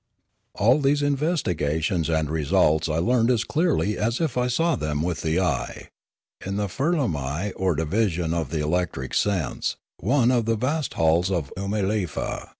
All these investigations and results I learned as clearly as if I saw them with the eye, in the firlamai or division of the electric sense, one of the vast halls of Oomalefa.